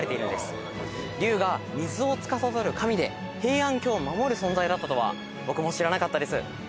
龍が水をつかさどる神で平安京を守る存在だったとは僕も知らなかったです。